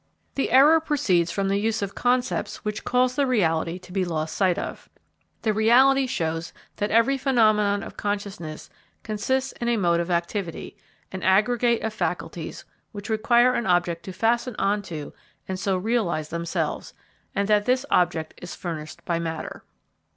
The error proceeds from the use of concepts which cause the reality to be lost sight of. The reality shows that every phenomenon of consciousness consists in a mode of activity, an aggregate of faculties which require an object to fasten on to and so realise themselves, and that this object is furnished by matter.